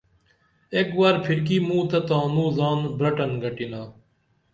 ایک ور پھرکی موں تہ تانوں زان برٹن گٹِنا